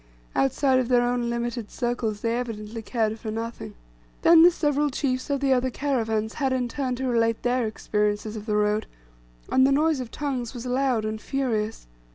Outside of their own limited circles they evidently cared for nothing. Then the several chiefs of the other caravans had in turn to relate their experiences of the road; and the noise of tongues was loud and furious.